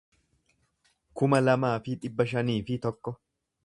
kuma lamaa fi dhibba shanii fi tokko